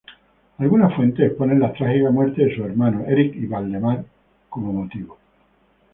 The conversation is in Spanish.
Algunas fuentes exponen la trágica muerte de sus hermanos Erik y Valdemar como motivo.